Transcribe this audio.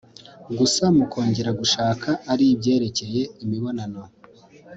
gusa mu kongera gushaka ari ibyerekeye imibonano